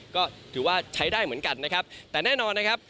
ก็ถือว่าใช้ได้เหมือนกันนะครับแต่แน่นอนนะครับ